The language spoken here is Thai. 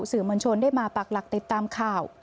สื่อมวลชนได้มาปักหลักติดตามข่าว